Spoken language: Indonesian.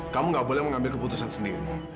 kamu gak boleh mengambil keputusan sendiri